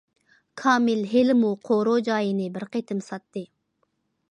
كامىل ھېلىمۇ قورۇ- جايىنى بىر قېتىم ساتتى.